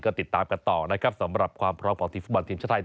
ก็ติดตามกันต่อสำหรับความพร้อมของทีมชาติไทย